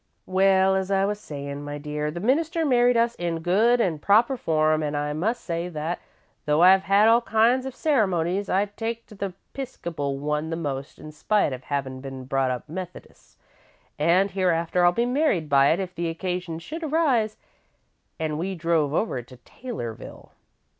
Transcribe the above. "Well, as I was sayin', my dear, the minister married us in good an' proper form, an' I must say that, though I've had all kinds of ceremonies, I take to the 'Piscopal one the most, in spite of havin' been brought up Methodis', an' hereafter I'll be married by it if the occasion should arise an' we drove over to Taylorville.